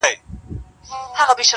زه به غمو ته شاعري كومه,